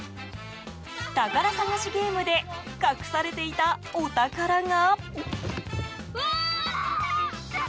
宝探しゲームで隠されていたお宝が。